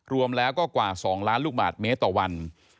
รวมแล้วก็กว่า๒ล้านลูกบาทเมตรต่อวัน